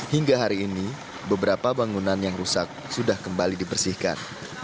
hingga hari ini beberapa bangunan yang rusak sudah kembali dibersihkan